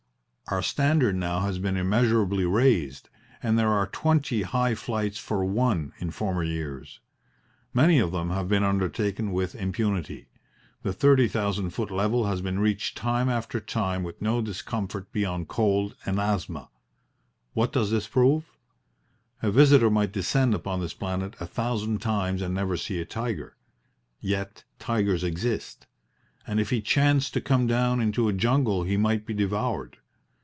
Our standard now has been immeasurably raised, and there are twenty high flights for one in former years. Many of them have been undertaken with impunity. The thirty thousand foot level has been reached time after time with no discomfort beyond cold and asthma. What does this prove? A visitor might descend upon this planet a thousand times and never see a tiger. Yet tigers exist, and if he chanced to come down into a jungle he might be devoured.